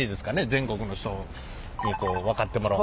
全国の人に分かってもらう。